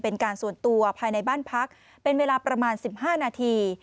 เป็นการส่วนตัวภายในบ้านพักเป็นเวลาประมาณ๑๕นาที